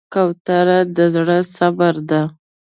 کوتره د زړه صبر ده.